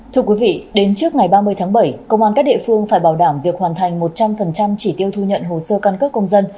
thưa quý vị đến trước ngày ba mươi tháng bảy công an các địa phương phải bảo đảm việc hoàn thành một trăm linh chỉ tiêu thu nhận hồ sơ căn cước công dân